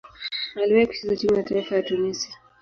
Aliwahi kucheza timu ya taifa ya Tunisia.